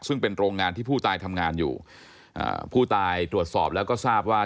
ซึ่งเป็นโรงงานที่ผู้ตายทำงานอยู่อ่าผู้ตายตรวจสอบแล้วก็ทราบว่า